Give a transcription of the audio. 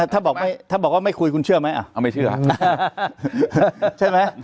ถ้าบอกไม่ถ้าบอกว่าไม่คุยคุณเชื่อไหมอ่ะอ่าไม่เชื่อใช่ไหม